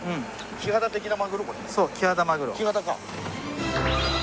キハダか。